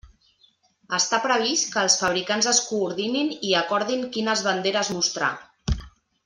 Està previst que els fabricants es coordinin i acordin quines banderes mostrar.